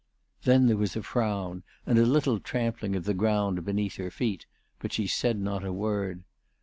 Then there was a frown and a little trampling of the ground beneath her feet, but she said not a word.